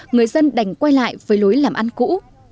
người dân đành quay lại với lối làm ăn cũ